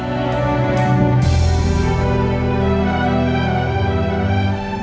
kamu gak punya jawaban